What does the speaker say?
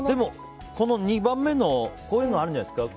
この２番目のこういうのはあるんじゃないですか。